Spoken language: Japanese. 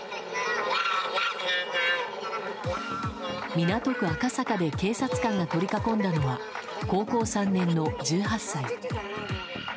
港区赤坂で警察官が取り囲んだのは高校３年の１８歳。